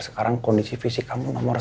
sekarang kondisi fisik kamu nomor